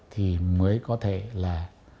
thì mới có thể là